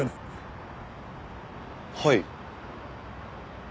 はい。